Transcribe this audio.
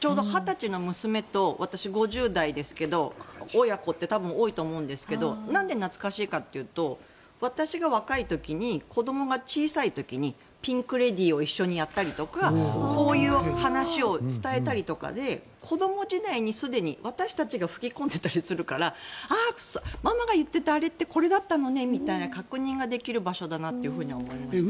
２０歳の娘と私５０代ですけど親子って多分、多いと思うんですけどなんで懐かしいかというと私が若い時に子どもが小さい時ピンク・レディーを一緒にやったりとかこういう話を伝えたりとかで子ども時代にすでに私たちが吹き込んでいたりするからあー、ママが言っていたあれってこれだったのねみたいな確認ができる場所だなと思いました。